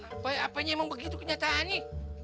apa apaan emang begitu kenyataan nih